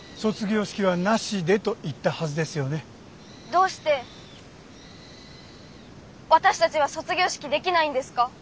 どうして私たちは卒業式できないんですか？